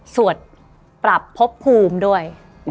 สวดปรับพบภูมิด้วย